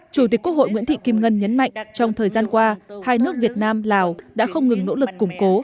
chủ tịch quốc hội nguyễn thị kim ngân nhấn mạnh trong thời gian qua hai nước việt nam lào đã không ngừng nỗ lực củng cố